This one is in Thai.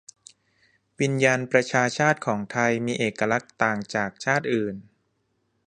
'วิญญาณประชาชาติของไทยมีเอกลักษณ์ต่างจากชาติอื่น'